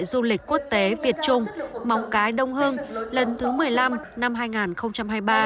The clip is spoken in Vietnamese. chạy giao lưu hữu nghị quốc tế việt trung móng cái đông hưng lần thứ một mươi năm năm hai nghìn hai mươi ba